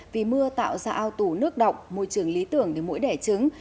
vì mưa tạo ra ao tủ nước động môi trường lý tưởng để mũi đẻ trứng